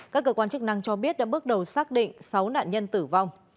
các cơ quan chức năng cho biết đã bước đầu xác định sáu nạn nhân tử vong